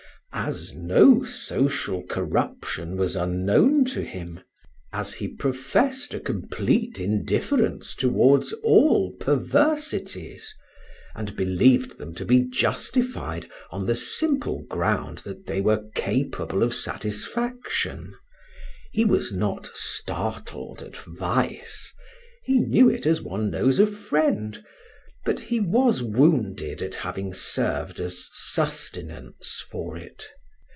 As no social corruption was unknown to him, as he professed a complete indifference towards all perversities, and believed them to be justified on the simple ground that they were capable of satisfaction, he was not startled at vice, he knew it as one knows a friend, but he was wounded at having served as sustenance for it.